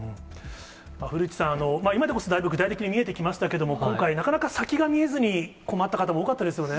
古市さん、今でこそだいぶ具体的に見えてきましたけれども、今回、なかなか先が見えずに困った方も多かったですよね。